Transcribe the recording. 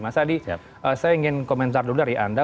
mas adi saya ingin komentar dulu dari anda